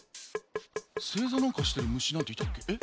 せいざなんかしてる虫なんていたっけ？